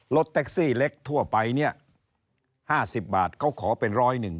รถแต็กซี่เล็กทั่วไป๕๐บาทเขาขอเป็น๑๐๑